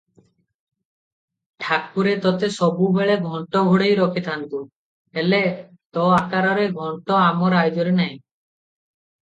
ଠାକୁରେ ତତେ ସବୁବେଳେ ଘଣ୍ଟ ଘୋଡ଼େଇ ରଖିଥାନ୍ତୁ, ହେଲେ ତୋ ଆକାରର ଘଣ୍ଟ ଆମ ରାଇଜରେ କାହିଁ?